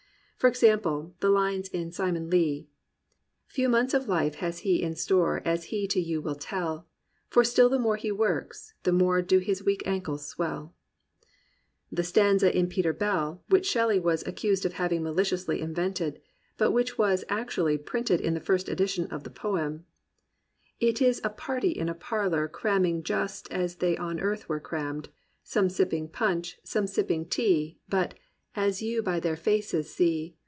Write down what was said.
For example; the lines in Simon Lee^ "Few months of life has he in store As he to you will tell, For still the more he works, the more Do his weak ankles swell: " the stanza in Peter Belly which Shelley was accused of having maliciously invented, but which was ac tually printed in the first edition of the poem, "Is it a party in a parlour Cramming just as they on earth were crammed. Some pipping punch — some sipping tea 218 THE RECOVERY OF JOY But, as you by their faces see.